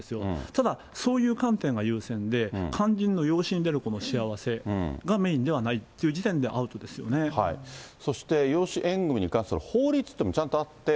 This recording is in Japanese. ただそういう観点が優先で、肝心の養子に出るこの幸せがメインではないという時点でアウトでそして、養子縁組に関する法律というのもちゃんとあって。